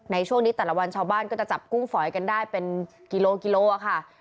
ในช่วงนี้แต่ละวันชาวบ้านก็จะจับกุ้งฝอยกันได้เป็นกิโลกิโลค่ะ